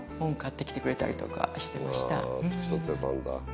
うわー付き添ってたんだ。